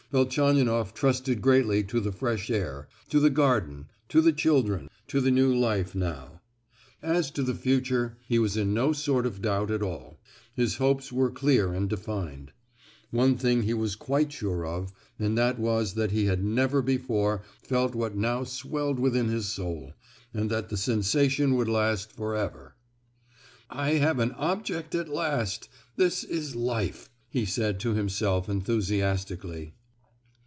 Velchaninoff trusted greatly to the fresh air, to the garden, to the children, to the new life, now; as to the future, he was in no sort of doubt at all, his hopes were clear and defined. One thing he was quite sure of, and that was that he had never before felt what now swelled within his soul, and that the sensation would last for ever and ever. "I have an object at last! this is Life!" he said to himself enthusiastically.